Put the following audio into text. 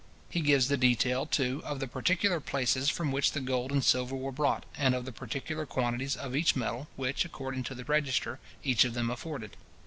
He gives the detail, too, of the particular places from which the gold and silver were brought, and of the particular quantities of each metal, which according to the register, each of them afforded.